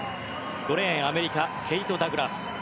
５レーンアメリカ、ケイト・ダグラス。